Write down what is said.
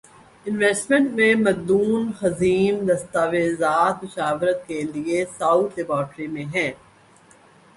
investment پر مدون ضخیم دستاویزات مشاورت کے لیے ساؤتھ لیبارٹری میں ہیں